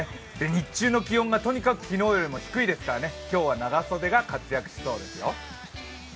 日中の気温がとにかく昨日よりも低いですから今日は長袖が活躍しそうですよ。